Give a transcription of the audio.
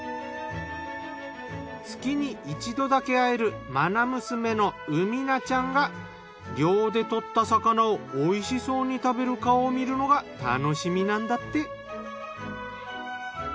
月に一度だけ会える愛娘の海七ちゃんが漁で獲った魚をおいしそうに食べる顔を見るのが楽しみなんだって。